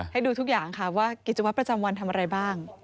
ให้ดูทุกอย่างค่ะว่ากิจวัตรประจำวันทำอะไรบ้าง